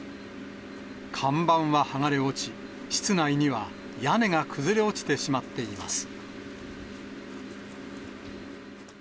看板は剥がれ落ち、室内には屋根が崩れ落ちてしまっています。